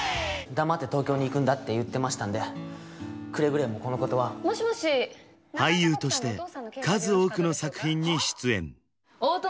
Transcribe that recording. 黙って東京に行くんだって言ってましたんでくれぐれもこのことはもしもし俳優として数多くの作品に出演大友！